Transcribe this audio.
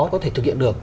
có thể thực hiện được